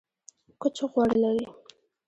کوچ غوړ لري